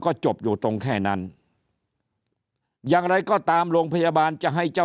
ก็จบอยู่ตรงแค่นั้นอย่างไรก็ตามโรงพยาบาลจะให้เจ้า